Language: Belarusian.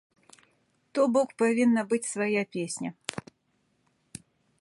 То бок павінна быць свая песня.